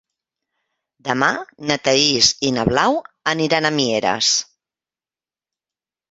Demà na Thaís i na Blau aniran a Mieres.